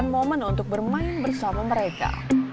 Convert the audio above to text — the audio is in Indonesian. dan ini adalah momen untuk bermain bersama mereka